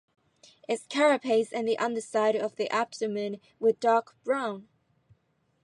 Its carapace and the underside of the abdomen were dark brown.